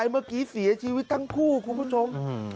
เมื่อกี้เสียชีวิตทั้งคู่คุณผู้ชม